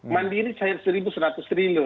mandiri cair seribu seratus triliun